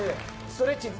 ストレッチーズ